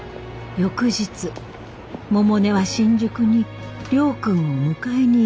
翌日百音は新宿に亮君を迎えに行きました。